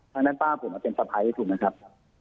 ทั้งนั้นป้าผมเป็นสะพ้ายถูกไหมครับ